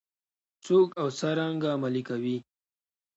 څوک او څرنګه عملي کوي؟